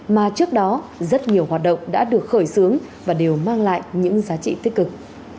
mà trước đó rất nhiều hoạt động đã được khởi xướng và đều mang lại những giá trị tích cực